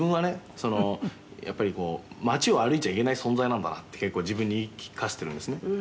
そのやっぱりこう街を歩いちゃいけない存在なんだなって結構自分に言い聞かせてるんですね」